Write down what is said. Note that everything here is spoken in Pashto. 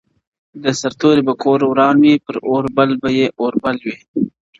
د سرتوري به کور وران وي پر اوربل به یې اور بل وي،